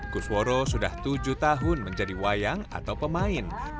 kusworo sudah tujuh tahun menjadi wayang atau pemain